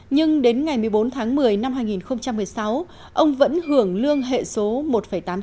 nhưng đến ngày một mươi bốn tháng một mươi năm hai nghìn một mươi sáu ông vẫn hưởng lương hệ số một tám mươi tám